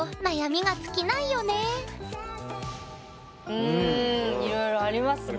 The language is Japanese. うんいろいろありますね。